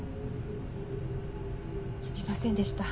すみませんでした。